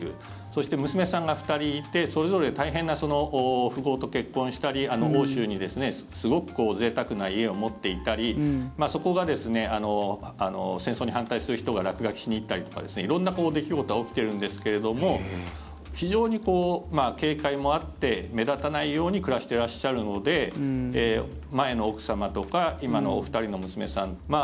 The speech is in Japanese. そして、娘さんが２人いてそれぞれ大変な富豪と結婚したり欧州にすごくぜいたくな家を持っていたりそこが、戦争に反対する人が落書きしに行ったりとか色んな出来事が起きているんですけれども非常に警戒もあって目立たないように暮らしていらっしゃるので前の奥様とか今のお二人の娘さん